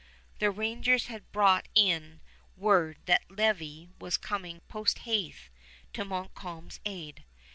The Rangers had brought in word that Lévis was coming posthaste to Montcalm's aid.